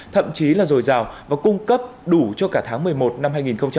thậm chí là rồi rào và cung cấp đủ cho cả tháng một mươi một năm hai nghìn hai mươi hai